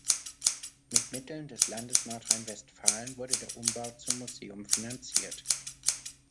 Mit Mitteln des Landes Nordrhein-Westfalen wurde der Umbau zum Museum finanziert.